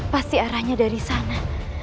pasti arahnya dari sana